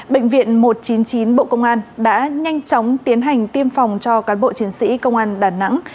bộ công an đã nhanh chóng tiến hành tiêm phòng cho cán bộ chiến sĩ công an đà nẵng